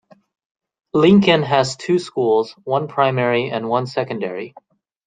Lincoln has two schools, one primary and one secondary.